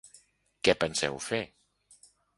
Què penseu fer?.